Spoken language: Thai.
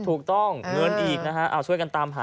ถูกต้องเงินอีกนะฮะ